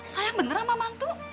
sayang bener sama mantu